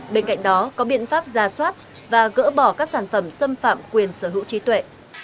bên cạnh đó có biện pháp ra soát và gỡ bỏ các sản phẩm xâm phạm quyền sở hữu trí tuệ